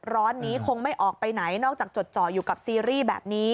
ร้อนนี้คงไม่ออกไปไหนนอกจากจดจ่ออยู่กับซีรีส์แบบนี้